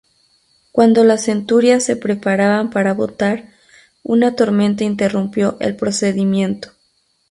Cuando las centurias se preparaban para votar, una tormenta interrumpió el procedimiento.